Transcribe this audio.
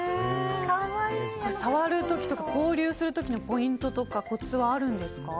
触る時とか交流する時のポイントとかコツはあるんですか？